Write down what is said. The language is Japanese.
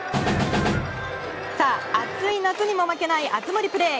暑い夏にも負けない熱盛プレー